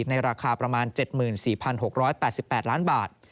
ในราคาประมาณ๗๔๖๘๘ล้านบาท